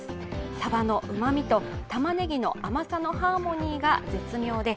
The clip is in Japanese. サバのうまみとたまねぎの甘さのハーモニーが絶妙です。